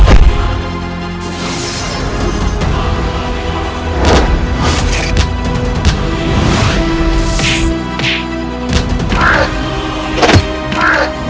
aku harus melepaskan serangan mereka